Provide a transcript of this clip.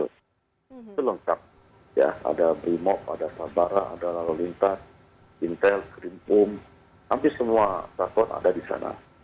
itu lengkap ya ada brimob ada sabara ada lalawintas intel krimkum hampir semua takut ada di sana